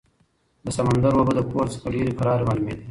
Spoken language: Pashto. د سمندر اوبه له پورته څخه ډېرې کرارې معلومېدې.